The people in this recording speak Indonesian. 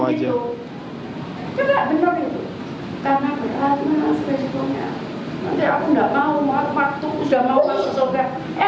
mau aku waktu udah mau masuk surga